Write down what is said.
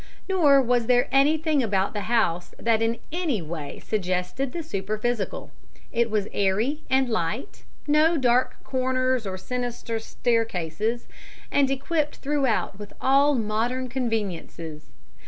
Nor was there anything about the house that in any way suggested the superphysical. It was airy and light no dark corners nor sinister staircases and equipped throughout with all modern conveniences.